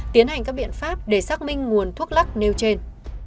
tiến hành các biện pháp để xác minh nguồn thuốc lắc nêu trên